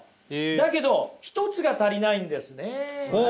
だけど１つが足りないんですねえ。